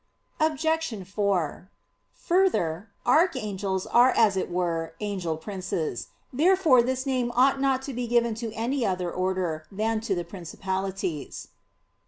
Obj. 4: Further, archangels are as it were angel princes. Therefore this name ought not to be given to any other order than to the "Principalities."